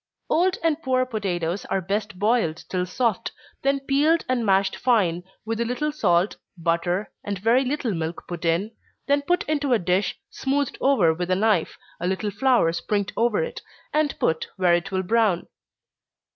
Old and poor potatoes are best boiled till soft, then peeled and mashed fine, with a little salt, butter, and very little milk put in then put into a dish, smoothed over with a knife, a little flour sprinkled over it, and put where it will brown.